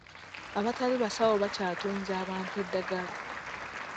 Abatali basawo bakyatunza abantu eddagala.